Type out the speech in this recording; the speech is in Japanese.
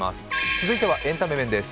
続いてはエンタメ面です。